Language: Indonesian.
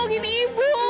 kamu bohongin ibu